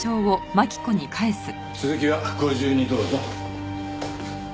続きはご自由にどうぞ。